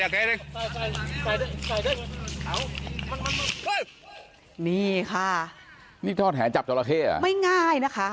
อยากเฮ้ยนี่ค่ะนี่นี่ท่อแฉกกับจราเข้อ่ะไม่ง่ายนะคะ